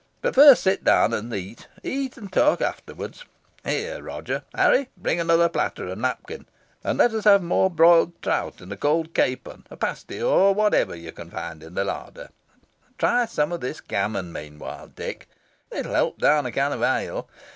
But first sit down and eat eat, and talk afterwards. Here, Roger, Harry, bring another platter and napkin, and let us have more broiled trout and a cold capon, a pasty, or whatever you can find in the larder. Try some of this gammon meanwhile, Dick. It will help down a can of ale.